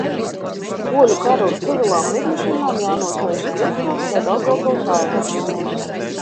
Poļu kara un civilām lidmašīnām jānosēžas Krustpils vai Daugavpils aerodromos.